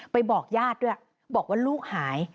บอกญาติด้วยบอกว่าลูกหาย